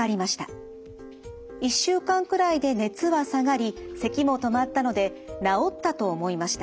１週間くらいで熱は下がりせきも止まったので治ったと思いました。